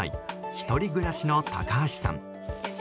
１人暮らしの高橋さん。